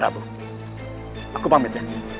raya prabu aku pamit